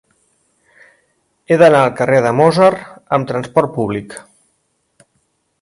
He d'anar al carrer de Mozart amb trasport públic.